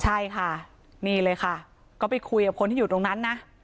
ใช่ค่ะนี่เลยค่ะก็ไปคุยกับคนที่อยู่ตรงนั้นนะ